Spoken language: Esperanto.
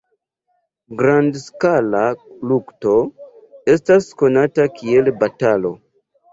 Grand-skala lukto estas konata kiel batalo.